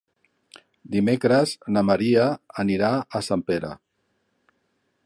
Dimecres na Maria anirà a Sempere.